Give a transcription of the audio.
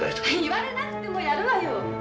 言われなくてもやるわよ。